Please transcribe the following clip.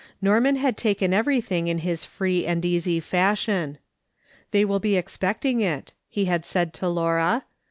Norman had taken everytliing in his free and easy fashion. " They will be expecting it," he had said to Laura.